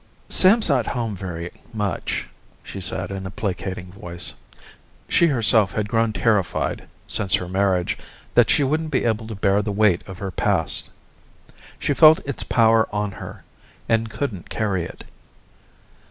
"Sam's not home very much," she said in a placating voice. She herself had grown terrified, since her marriage, that she wouldn't be able to bear the weight of her past. She felt its power on her and couldn't carry it.